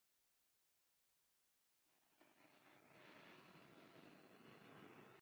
De regreso en Amberes alcanzó de inmediato un alto nivel de prestigio profesional.